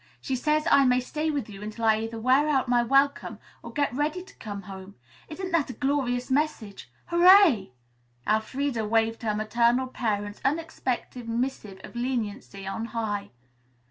She says I may stay with you until I either wear out my welcome or get ready to come home. Isn't that a glorious message? Hooray!" Elfreda waved her maternal parent's unexpected missive of leniency on high.